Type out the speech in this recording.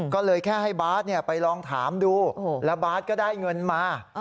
ก็เลยแค่ให้บาทไปลองถามดูแล้วบาทก็ได้เงินมา